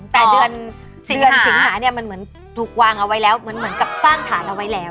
แต่เดือนสิงหาเนี่ยมันเหมือนถูกวางเอาไว้แล้วเหมือนกับสร้างฐานเอาไว้แล้ว